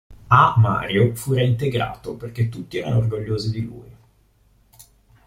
A. Mario, fu reintegrato perché tutti erano orgogliosi di lui.